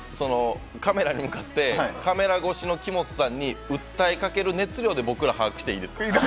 カメラに向かってカメラ越しの木本さんに訴えかける熱量で僕ら、把握していいですか？